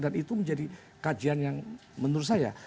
dan itu menjadi kajian yang menurut saya